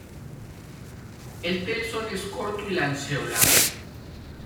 El telson es corto y lanceolado.